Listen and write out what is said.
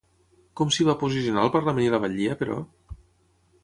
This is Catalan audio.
Com s'hi va posicionar el Parlament i la batllia, però?